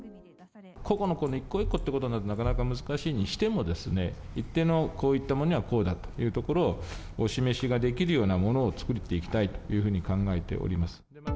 個々のこの一個一個ということになると、なかなか難しいにしてもですね、一定のこういったものにはこうだというところをお示しができるようなものを作っていきたいというふうに考えております。